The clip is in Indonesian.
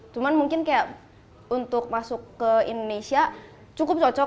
cuman mungkin kayak untuk masuk ke indonesia cukup cocok